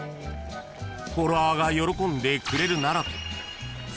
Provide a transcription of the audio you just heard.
［フォロワーが喜んでくれるならと］